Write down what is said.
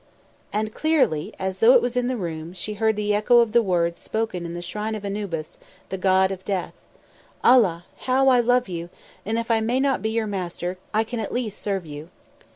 And clearly, as though it was in the room, she heard the echo of the words spoken in the Shrine of Anubis, the God of Death: "Allah! how I love you, and if I may not be your master, I can at least serve you.